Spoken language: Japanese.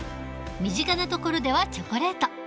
身近なところではチョコレート。